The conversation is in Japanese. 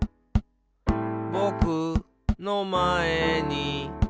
「ぼくのまえに」